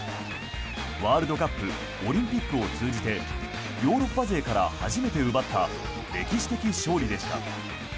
ワールドカップ、オリンピックを通じてヨーロッパ勢から初めて奪った歴史的勝利でした。